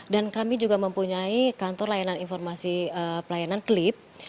dan kami juga mempunyai kantor layanan informasi pelayanan klip